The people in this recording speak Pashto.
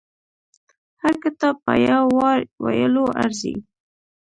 هر کتاب په يو وار ویلو ارزي.